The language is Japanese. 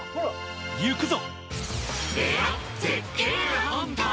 行くぞ！